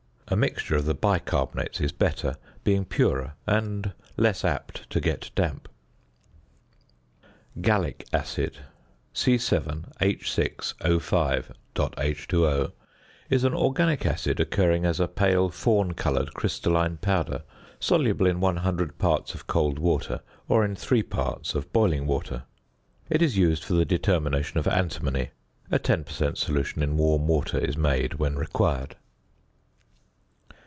A mixture of the bicarbonates is better, being purer and less apt to get damp. ~Gallic Acid~ (C_H_O_.H_O) is an organic acid, occurring as a pale fawn coloured crystalline powder, soluble in 100 parts of cold water, or in 3 parts of boiling water. It is used for the determination of antimony. A 10 per cent. solution in warm water is made when required.